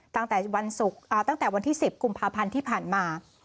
ตั้งแต่วันที่๑๐กุมภาพันธ์ที่ผ่านมา